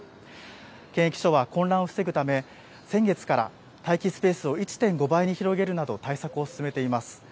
検疫所は混乱を防ぐ含め、先月から待機スペースを１．５倍に広げるなど、対策を進めています。